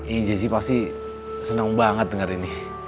ini jessi pasti seneng banget denger ini